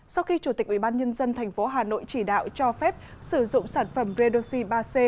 sau khi chủ tịch ubnd tp hà nội chỉ đạo cho phép sử dụng sản phẩm redoxi ba c